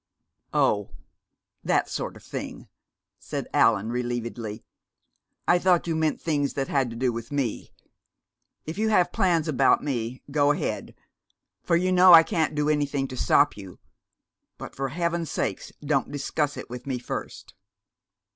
"Oh, that sort of thing," said Allan relievedly. "I thought you meant things that had to do with me. If you have plans about me, go ahead, for you know I can't do anything to stop you but for heaven's sake, don't discuss it with me first!"